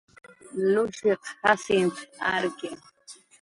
Lushiq Jacint arki